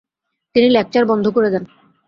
তিনি লেকচার বন্ধ করে দেন।